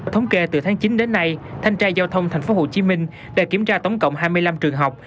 thống kê từ tháng chín đến nay thanh tra giao thông tp hcm đã kiểm tra tổng cộng hai mươi năm trường học